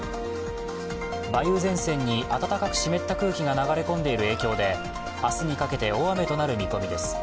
梅雨前線に暖かく湿った空気が流れ込んでいる影響で明日にかけて大雨となる見込みです。